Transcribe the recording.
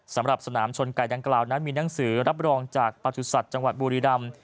สำหรับสนามชนไก่ดังกล่าวนั้นมีหนังสือรับรองจากประสุทธิ์จังหวัดบุรีรำ